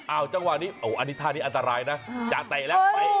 เอาจังหวะนี้อันนี้ท่านี้อันตรายนะจะเตะแล้ว